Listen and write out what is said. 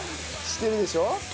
してるでしょ？